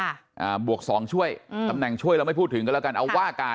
อ่าบวกสองช่วยอืมตำแหน่งช่วยเราไม่พูดถึงกันแล้วกันเอาว่าการ